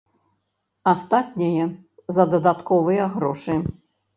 Астатняе за дадатковыя грошы.